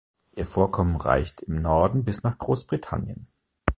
Ihr Vorkommen reicht im Norden bis nach Großbritannien.